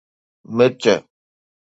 مرچ